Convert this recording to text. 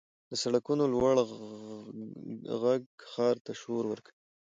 • د سړکونو لوړ ږغ ښار ته شور ورکوي.